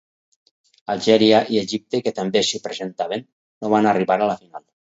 Algèria i Egipte, que també s'hi presentaven, no van arribar a la final.